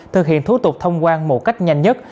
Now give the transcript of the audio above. thực hiện thủ tục thông quan một cách nhanh nhất